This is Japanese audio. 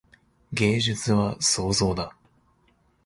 芸術は創造だ。